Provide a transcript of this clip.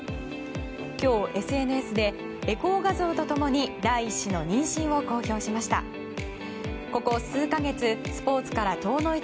今日、ＳＮＳでエコー画像と共に第１子の妊娠を公表しました。